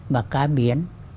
và cả biển